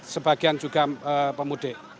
sebagian juga pemudik